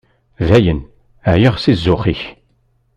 Dayen, εyiɣ si zzux-ik.